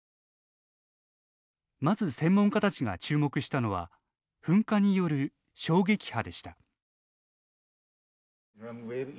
まず、専門家たちが注目したのは噴火による衝撃波でした。